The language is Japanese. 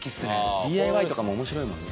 ＤＩＹとかも面白いもんね。